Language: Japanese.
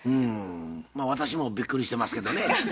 うん私もびっくりしてますけどね。